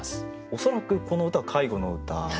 恐らくこの歌は介護の歌。